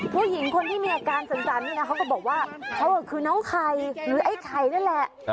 ผู้หญิงคนที่มีอาการสั่นนี่นะเขาก็บอกว่าเขาคือน้องไข่หรือไอ้ไข่นั่นแหละ